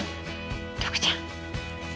禄ちゃん。